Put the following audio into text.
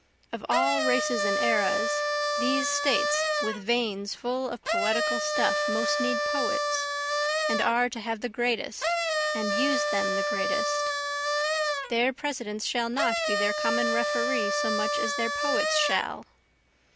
Of all races and eras these States with veins full of poetical stuff most need poets, and are to have the greatest, and use them the greatest, Their Presidents shall not be their common referee so much as their poets shall.